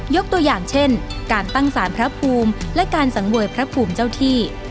ยกตัวอย่างเช่นการตั้งสารพระภูมิและการสังเวยพระภูมิเจ้าที่